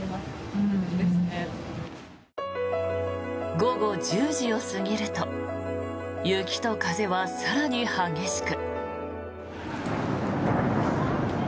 午後１０時を過ぎると雪と風は更に激しく。